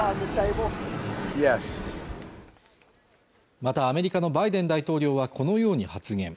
またアメリカのバイデン大統領はこのように発言